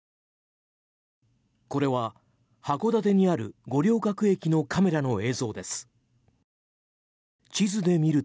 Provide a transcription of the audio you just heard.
これは函館にある五稜郭駅のカメラの映像です。